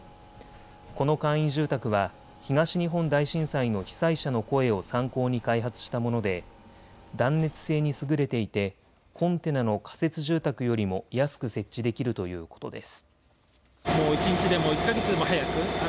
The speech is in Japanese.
この簡易住宅は東日本大震災の被災者の声を参考に開発したもので断熱性に優れていてコンテナの仮設住宅よりも安く設置できるということです。